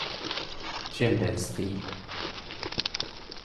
Kjem det ein stri